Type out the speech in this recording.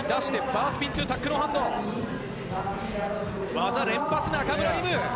技連発、中村輪夢。